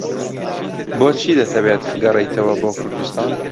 بۆچی دەتەوێت بگەڕێیتەوە بۆ کوردستان؟